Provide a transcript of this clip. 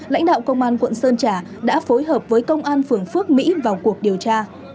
lãnh đạo công an quận sơn trà đã phối hợp với công an phường phước mỹ vào cuộc điều tra